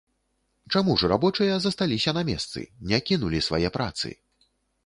Чаму ж рабочыя засталіся на месцы, не кінулі свае працы?